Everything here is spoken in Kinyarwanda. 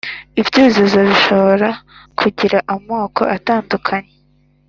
ibyuzuzo bishobora kugira amoko atandukanye